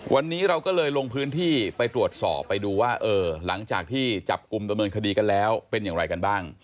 วันนี้เราก็เลยลงพื้นที่ไปตรวจสอบไปดูว่าเออหลังจากที่จับกลุ่มดำเนินคดีกันแล้วเป็นอย่างไรกันบ้าง